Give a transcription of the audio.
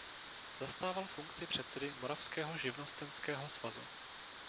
Zastával funkci předsedy "Moravského živnostenského svazu".